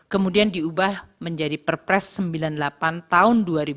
kemudian diubah menjadi perpres sembilan puluh delapan tahun dua ribu dua